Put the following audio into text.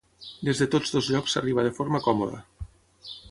Des de tots dos llocs s'arriba de forma còmoda.